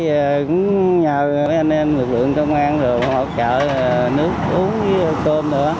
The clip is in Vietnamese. cũng nhờ với anh em lực lượng công an thì họ trợ nước uống với cơm nữa